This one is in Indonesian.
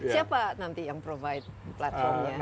siapa nanti yang provide platformnya